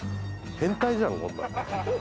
変態じゃんこんなの。